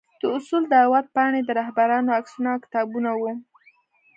د اصول دعوت پاڼې، د رهبرانو عکسونه او کتابونه وو.